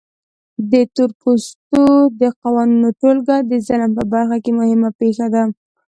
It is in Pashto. د تورپوستو د قوانینو ټولګه د ظلم په برخه کې مهمه پېښه ده.